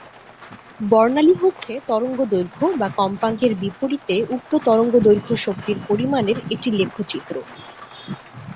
বর্ণালী হচ্ছে তরঙ্গ দৈর্ঘ্য বা কম্পাঙ্কের বিপরীতে উক্ত তরঙ্গ দৈর্ঘ্য শক্তির পরিমাণের একটি লেখচিত্র।